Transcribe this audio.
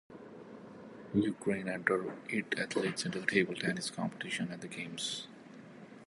Ukraine entered eight athletes into the table tennis competition at the games.